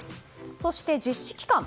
そして、実施期間。